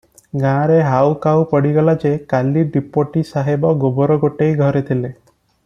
ଗାଁରେ ହାଉ କାଉ ପଡ଼ିଗଲା ଯେ, କାଲି ଡିପୋଟି ସାହେବ ଗୋବର ଗୋଟେଇ ଘରେ ଥିଲେ ।